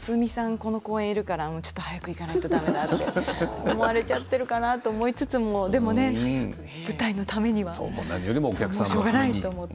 この公演にいるからちょっと早く行かないとだめだと思われちゃっているかなと思いつつも、でもね舞台のためにはしょうがないと思って。